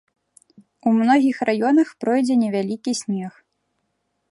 У многіх раёнах пройдзе невялікі снег.